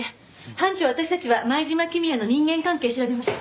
班長私たちは前島公也の人間関係調べましょう。